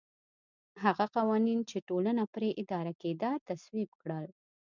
هغه قوانین چې ټولنه پرې اداره کېده تصویب کړل